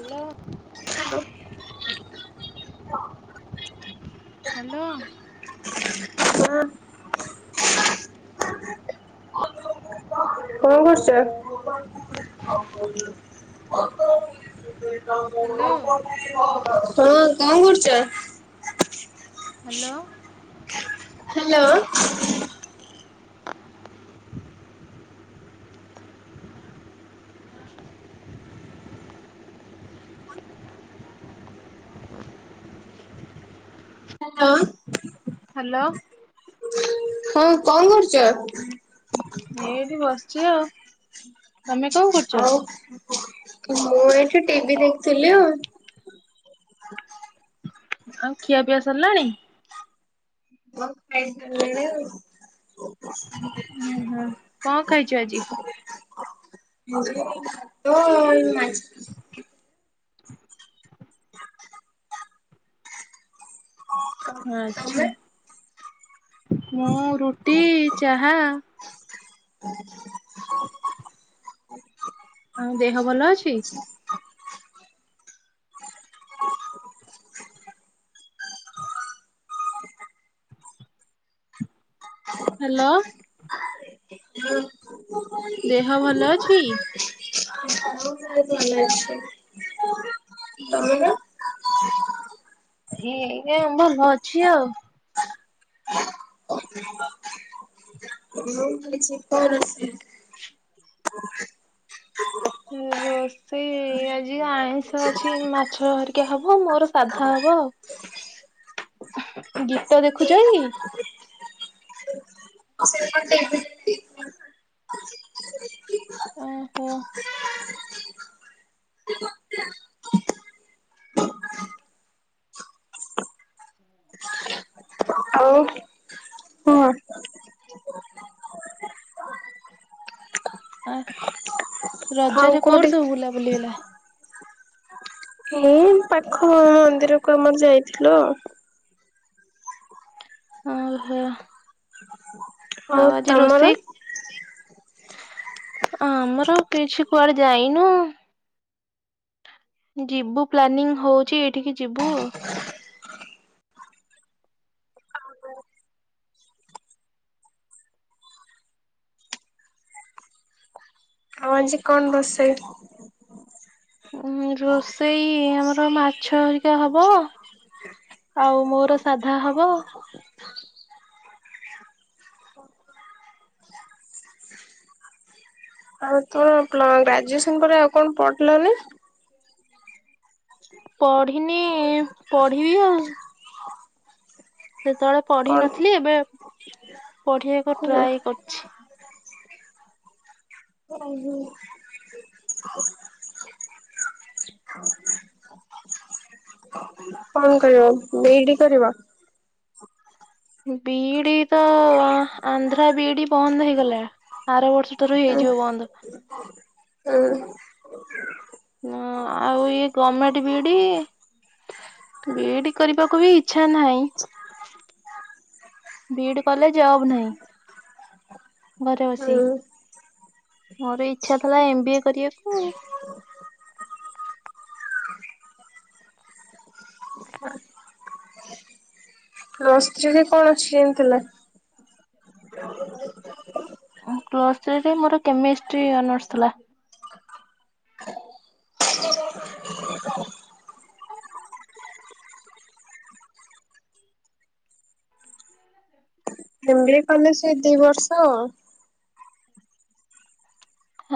Hello. [unintelligible] Hello. ହଁ। କଣ କରୁଛ? ହଁ ହ୍ୟାଲୋ। କଣ କରୁଛ? ହ୍ୟାଲୋ। ହ୍ୟାଲୋ। ହ୍ୟାଲୋ। ହ୍ୟାଲୋ। ହଁ କଣ କରୁଛ? ଏ ଏଇଠି ବସିଛି ଆଉ। ତମେ କଣ କରୁଛ? ଆଉ ମୁଁ ଏଠି ଟିଭି ଦେଖୁଥିଲି ଆଉ। ଆଉ ଖିଆପିଆ ସରିଲାଣି? ଖାଇସାରିଲିଣି ଆଉ। ଉଁ ହୁଁ କଣ ଖାଇଛୁ ଆଜି? ଏଇ ଭାତ ଆଉ ମାଛ ହଁ ଆଛା ମୁଁ ରୁଟି, ଚାହା ହ ଆଉ ଦେହ ଭଲ ଅଛି? ହ ହଁ ହ୍ୟାଲୋ। ହ ଦେହ ଭଲ ଅଛି? ହଁ ଦେହ ଭଲ ଅଛି। ହୁଁ। ତମର? ଏଇ ଆ ଭଲ ଅଛି ଆଉ। ତମର ଆଜି କଣ ରୋଷେଇ? ରୋଷେଇ ଆଜି ଆଇଁଷ ଅଛି ମାଛ ହେରିକା ହବ ମୋର ସାଧା ହବ ଆଉ। ହ ଗୀତ ଦେଖୁଛକି? [inaudible] ଓହୋ। ଆଉ ହଁ ଆ ରଜରେ କୋଉଠି ସବୁ ବୁଲାବୁଲି ହେଲା? ଏଇ ପାଖ ମନ୍ଦିରକୁ ଆମର ଯାଇଥିଲୁ ଆଉ। ଓହୋ। ଆ ଆଉ ଆଜି ରୋଷେଇ? ଆମର କିଛି କୁଆଡେ ଯାଇନୁ। ଯିବୁ ପ୍ଲାନିଂ ହୋଉଛି ଏଇଠିକି ଯିବୁ। ଆଉ ଆଜି କଣ ରୋଷେଇ? ରୋଷେଇ ଆମର ମାଛ ହେରିକା ହବ ଆଉ ମୋର ସାଧା ହବ। ଆଉ ତୋର ପ୍ଲ ଗ୍ରାଜୁଏସନ ପରେ ଆଉ କଣ ପଢ଼ିଲନି? ପଢିନି ପଢିବି ଆଉ। ସେତେବେଳେ କଣ ପଢିନଥିଲି ଏବେ ପଢିବାକୁ ଟ୍ରାଏ କରିଛି। [unintelligible] କଣ କରିବ ବିଇଡି କରିବ? ବିଇଡି ତ ଆଁ ଆନ୍ଧ୍ରା ବିଇଡି ବନ୍ଦ ହେଇଗଲା। ଆର ବର୍ଷ ଠାରୁ ହେଇଯିବ ବନ୍ଦ। ଏଁ ନାଁ ଆଉ ଇଏ ଗମେଣ୍ଟ ବିଇଡ଼ି ବିଇଡି କରିବାକୁ ବି ଇଚ୍ଛା ନାଇଁ। ବିଇଡି କଲେ ଜବ ନାଇଁ। ଘରେ ବସି ହୁଁ ମୋର ଇଚ୍ଛା ଥେଲା ଏମ ବି ଏ କରିବାକୁ। ପ୍ଲସ ଥ୍ରୀ ରେ କଣ ଷ୍ଟ୍ରିମ ଥିଲା? ପ୍ଲସ ଥ୍ରୀ ରେ ମୋର କେମିଷ୍ଟ୍ରି ଅନର୍ସ ଥିଲା। ଏମ ବି ଏ କଲେ ସେ ଦି ବର୍ଷ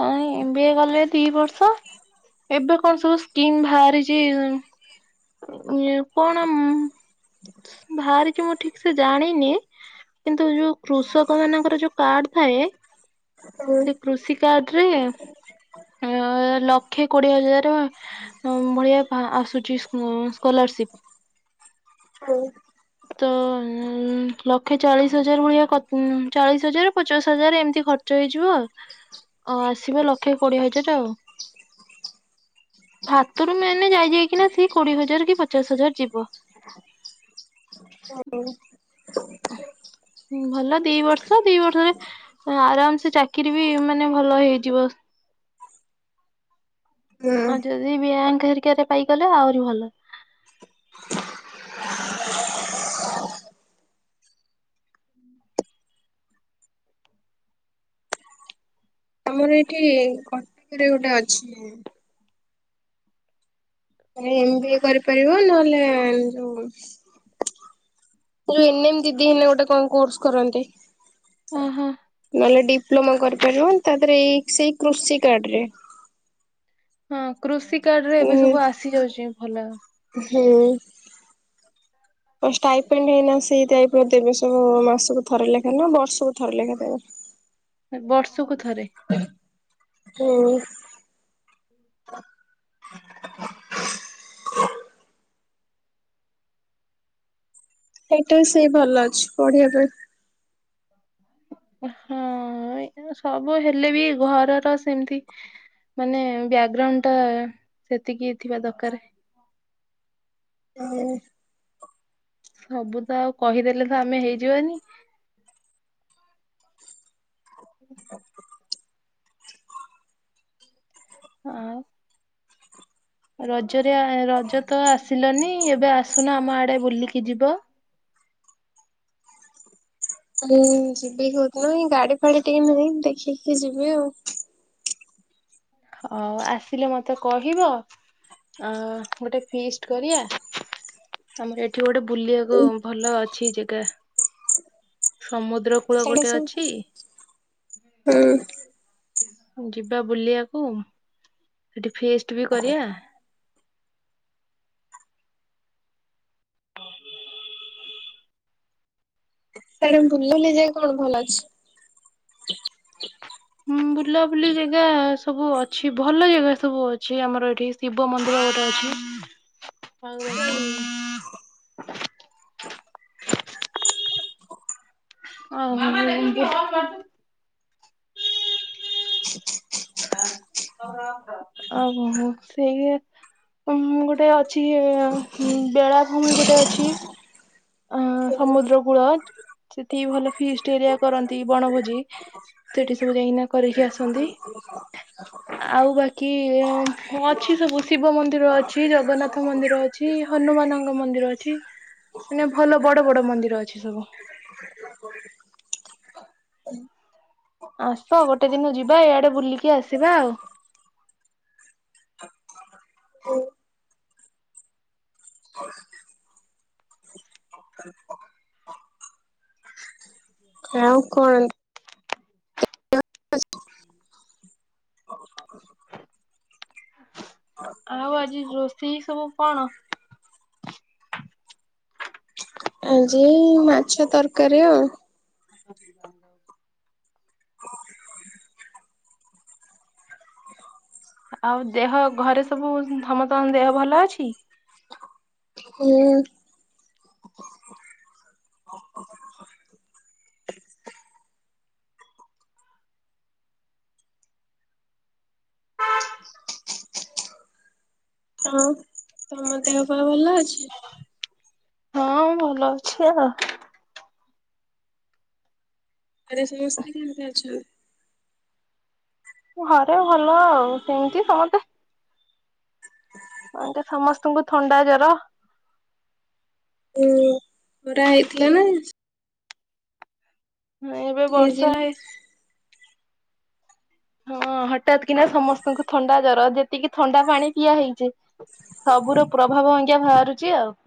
ହଁ ଣେ ଏମ ବି ଏ କଲେ ଦି ବର୍ଷ ଏବେ କଣ ସବୁ ସ୍କିମ୍ ବାହାରିଚି ଇଏ ପଣ ମ୍ ବାହାରିଚି ମୁଁ ଠିକ୍ ସେ ଜାଣିନି କିନ୍ତୁ ଯୋଉ କୃଷକ ମାନଙ୍କର ଯୋଉ କାର୍ଡ ଥାଏ ହୁଁ ସେ କୃଷି କାର୍ଡ ରେ ଏଁ ଅଁ ଏ ଲକ୍ଷେ କୋଡ଼ିଏ ହଜାର ଟଙ୍କା ହଁ ମ୍ ଭଳିଆ ଫା ଆସୁଚି ଉଁ ସ୍କୋଲାରସିପ। ପାନି ତ ଅଁ ଅଁ ଅଁ ଲକ୍ଷେ ଚାଳିଶ ହଜାର ଭଳିଆ ଖଚ ଚାଳିଶ ହଜାର ପଚାଶ ହଜାର ଏମତି ଖର୍ଚ୍ଚ ଚ ହେଇଯିବ ଆଉ ଅ ଆସିବ ଲକ୍ଷେ କୋଡ଼ିଏ ହଜାର ଟା ଆଉ। ହାତରୁ ମେନେ ଯାଇ ଯାଇକିନା ସି କୋଡ଼ିଏ ହଜାର କି ପଚାଶ ହଜାର ଯିବ। ସରୁନି ଭଲ ଦି ବର୍ଷ ଦି ବର୍ଷରେ ଏଁ ଆରାମ୍ ସେ ଚାକିରି ବି ମାନେ ଭଲ ହେଇଯିବ। ହ ହଁ ଯଦି ବ୍ୟାଙ୍କ ହେରିକାରେ ପାଇଗଲେ ଆହୁରି ଭଲ। ଆମର ଏଇଠି କଟକରେ ଗୋଟେ ଅଛି। ତମେ ଏମ ବି ଏ କରିପାରିବ ନହେଲେ ଯୋଉ ହେ ଯୋଉ ଏନଏମ ଦିଦି ହେଲେ ଗୋଟେ କଣ କୋର୍ସ କରନ୍ତି? ଓହୋ। ନହେଲେ ଡିପ୍ଲୋମା କରିପାରିବ ତା ଦେହରେ ଏଇକ୍ ସେଇକ୍ କୃଷି କାର୍ଡରେ। ହଁ କୃଷି କାର୍ଡ ରେ ଏବେ ଉଁ ସବୁ ଆସି ଯାଉଚି ଭଲ। ହୁଁ। କଣ ଷ୍ଟାଇପେଣ୍ଡ ହେଇନା ସେଇ ଦେବେ ଦେବେ ସବୁ ମାସକୁ ଥରେ ଲେଖା ନାଁ ବର୍ଷକୁ ଥରେ ଲେଖା ଦେବେ? ବର୍ଷକୁ ଥରେ। ହୁଁ। ହେଇଟା ବି ସେଇ ଭଲ ଅଛି ପଢ଼ିବା ପାଇଁ। ଏ ହଁ ଏ ସବୁ ହେଲେ ବି ଘରର ସେମତି ମାନେ ବ୍ୟାଗଗ୍ରାଉଣ୍ଡ ଟା ସେତିକି ଥିବା ଦରକାରେ। [inaudible] ସବୁ ତ ଆଉ କହିଦେଲେ ତ ଆମେ ହେଇଯିବାନି? ହୁଁ ହଁ ଆଉ ରଜରେ ରଜ ତ ଆସିଲନି ଏବେ ଆସୁନ ଆମ ଆଡେ ବୁଲିକି ଯିବ। ଉଁ ଯିବି ହଉନ ଏ ଗାଡି ଫାଡି ଟିକେ ନାହିଁ ଦେଖିକି ଯିବି ଆଉ। ହଉ ଆସିଲେ ମତେ କହିବ। ଅ ଗୋଟେ ଫିଷ୍ଟ କରିଆ। ଆମର ଏଠି ଗୋଟେ ବୁଲିବାକୁ ଭଲ ଅଛି ଜାଗା ସମୁଦ୍ର ଉପକୂଳ ସିଆଡେ ଗୋଟେ ସବୁ ଅଛି ଯିବା ବୁଲିବାକୁ ସେଠି ଫେଷ୍ଟ ବି କରିବା। ସେଡ ବୁଲିଲି ଯାଇ କଣ ଭଲ ଅଛି ହଁ ବୁଲାବୁଲି ଜାଗା ସବୁ ଅଛି ଭଲ ଜାଗା ସବୁ ଅଛି ଆମର ଏଠି। ଶିବମନ୍ଦିର ଗୋଟେ ଅଛି। [inaudible] ଆଉ ଏଠି ହଉ [unintelligible] [unintelligible] ଆଉ କଣ ସେଇଆ ଉଁ ଗୋଟେ ଅଛି ବେଳାଭୂମି ଗୋଟେ ଅଛି। ଅ ସମୁଦ୍ରକୂଳ ସେଠି ଭଲ ଫିଷ୍ଟ ଏରିଆ କରନ୍ତି ବଣଭୋଜି ସେଠି ସବୁ ଯାଇକିନା କରିକି ଆସନ୍ତି। [unintelligible] ଆଉ ବାକି ଅଛି ସବୁ ଶିବମନ୍ଦିର ଅଛି ଜଗନ୍ନାଥ ମନ୍ଦିର ଅଛି। ଅଛି ହନୁମାନଙ୍କ ମନ୍ଦିର ଅଛି। ମାନେ ଭଲ ବଡ ବଡ ମନ୍ଦିର ଅଛି ସବୁ। ଆସ ଗୋଟେ ଦିନ ଯିବା ଏଇଆଡେ ବୁଲିକି ଆସିବା ଆଉ। ଆଉ କଣ? ଆଉ ଆଜି ରୋଷେଇ ସବୁ କଣ? ଆଜି ମାଛ ତରକାରୀ ଆଉ। [unintelligible] ଆଉ ଦେହ ଘରେ ସବୁ ସମସ୍ତଙ୍କ ଦେହ ଭଲ ଅଛି? ହୁଁ। ମଁ ଦେହପାହ ଭଲ ଅଛି? ହଁ ଭଲ ଅଛି ଆଉ। ଘରେ ସମସ୍ତେ କେମିତି ଅଛନ୍ତି? ଘରେ ଭଲ ଆଉ ସେମିତି ସମସ୍ତେ। ସମସ୍ତଙ୍କୁ ଥଣ୍ଡା ଜର ଉଁ ଖରା ହେଇଥିଲା ନା ହଁ ଏବେ ବର୍ଷା ସେ ହେଇଛି। ହଁ ହଠାତ୍ କିନା ସମସ୍ତଙ୍କୁ ଥଣ୍ଡା ଜର ଯେତିକି ଥଣ୍ଡା ପାଣି ପିଆ ହେଇଛି ସବୁର ପ୍ରଭାବ ଆଜ୍ଞା ବାହାରୁଛି ଆଉ।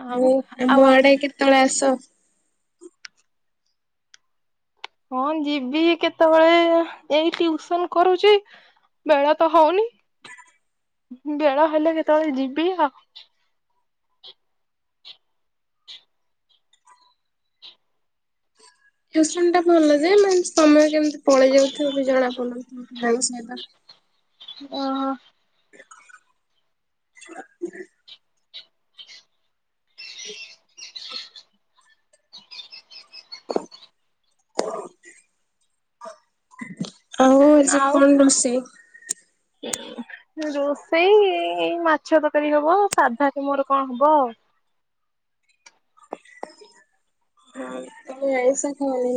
ଆଉ ମୁଁ ଆ ଆଉ ମୋ ଆଡେ କେତଳେ ଆସ। ହଁ ଯିବି କେତେବେଳେ ଏଇ ଟ୍ୟୁସନ କରୁଛି। ବେଳ ତ ହଉନି ବେଳ ହେଲେ କେତେବେଳେ ଯିବି ଆ ଟୁସନ ଟା ଭଲ ଯେ ମାନେ ସମୟ କେମିତି ପଳେଇ ଯାଉଥିବ ବି ଜଣା ପଡୁନଥିବ ପିଲାଙ୍କ ସହିତ ଓହୋ। [unintelligible] [unintelligible] ଆଉ ଆଜି ଆଉ କ'ଣ ରୋଷେଇ। ରୋଷେଇ ଏଇ ମାଛ ତରକାରୀ ହବ ସାଧା ମୋର ବି କ'ଣ ହବ ଆଉ। ହଁ ତ ଏଇସା ଖନି।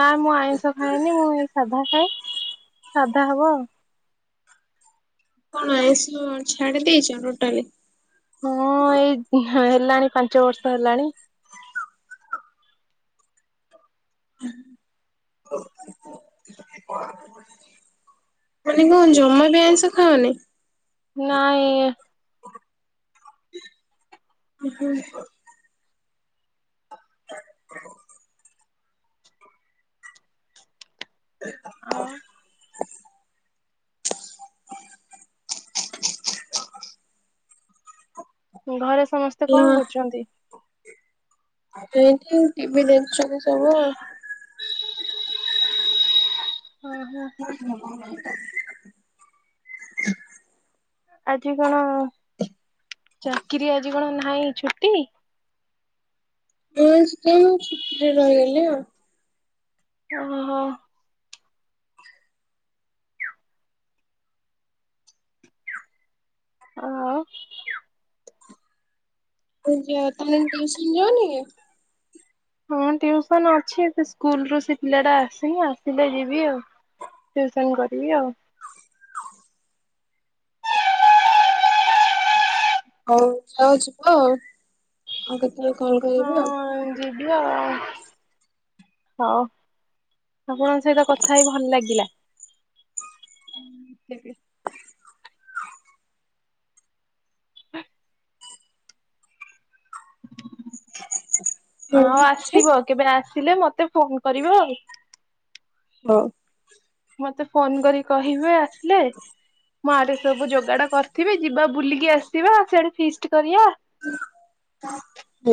ନାଁ ମୁଁ ଆଇଁଷ ଖାଏନି ମୁଁ ଏଇ ସାଧା ଖାଏ ସାଧା ହବ ଆଉ। କ'ଣ ଆଇଁଷ ଛାଡି ଦେଇଛ ଟୋଟାଲି। ହଁ ଏଇ ହେଲାଣି ପାଞ୍ଚ ବର୍ଷ ହେଲାଣି। ହଉ କ [inaudible] ମାନେ କ'ଣ ଜମା ବି ଆଇଁଷ ଖାଅନି। ନାଇଁ। ଉଁ ହୁ। [inaudible] ହ। [unintelligible] ଆଉ। ଘରେ ସମସ୍ତେ କ'ଣ ଭଲ କରୁଛନ୍ତି। ଏଇଠି ଟିଭି ଦେଖୁଛନ୍ତି ସବୁ ଆଉ। ଓହୋ [unintelligible] ଆଜି କ'ଣ ଚାକିରି ଆଜି କ'ଣ ନାହିଁ ଛୁଟି। ନୂଆ ସ୍କୁଲ ଛୁଟିରେ ରହିଗଲେ ଆଉ। ଓହୋ। ଆ ଅ। ସ୍କୁଲ ଯିବ ତମେ ଟ୍ୟୁସନ ଯିବନି କି। ହଁ ଟିଉସନ ଅଛି ସେ ସ୍କୁଲୁ ସେ ପିଲାଟା ଆସିନି ଆସିଲେ ଯିବି ଆଉ। ଟିଉସନ କରିବି ଆଉ। ହଉ ଯାଉ ଯିବ ଆଉ କେତେବେଳେ କଲ୍ କରିବି ଆଉ। ଭିଡ଼ିଓ। ହଁ ଆପଣଙ୍କ ସହିତ କଥା ହେଇ ଭଲ ଲାଗିଲା। ହୁଁ ସେବେ। ଅ ହଉ ରଖୁଛି। ଆସିବ କେବେ ଆସିଲେ ମତେ ଫୋନ କରିବ ଆଉ। ହଁ। ମତେ ଫୋନ କରି କହିବେ ଆସିଲେ। ମୁଁ ଆରେ ସବୁ ଯୋଗାଡ଼ କରିଥିବି ଯିବା ବୁଲିକି ଆସିବା ସି ଆଡେ ଫିଷ୍ଟି କରିବା। ହୁ।